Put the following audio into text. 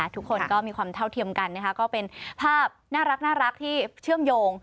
ทุกคนก็มีความเท่าเทียมกันนะคะก็เป็นภาพน่ารักที่เชื่อมโยง